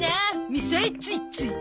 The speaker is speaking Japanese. みさえついつい。